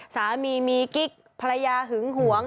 สามีมีกิ๊กภรรยาหึงหวง